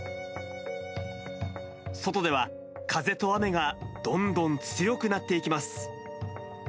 外では、風と雨がどんどん強くなっていきます。